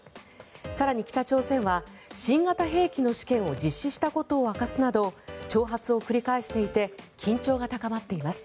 更に、北朝鮮は新型兵器の試験を実施したことを明かすなど挑発を繰り返していて緊張が高まっています。